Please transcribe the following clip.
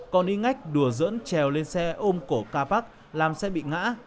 còn y ngách đùa dỡn trèo lên xe ôm cổ kha pak làm xe bị ngã